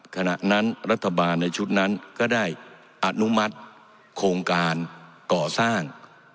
ขณะนั้นรัฐบาลในชุดนั้นก็ได้อนุมัติโครงการก่อสร้าง